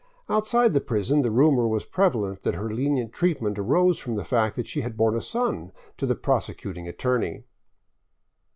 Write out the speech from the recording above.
Outside the prison the rumor was prevalent that her lenient treatment arose from the fact that she had borne a son to the prosecuting at torney.